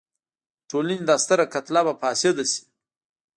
د ټولنې دا ستره کتله به فاسده شي.